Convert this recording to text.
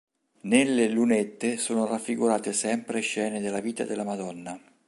Nelle lunette sono raffigurate sempre scene della vita della Madonna.